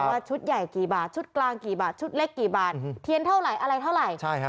ว่าชุดใหญ่กี่บาทชุดกลางกี่บาทชุดเล็กกี่บาทเทียนเท่าไหร่อะไรเท่าไหร่